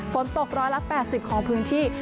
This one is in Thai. ฝนตก๑๘๐ของพื้นที่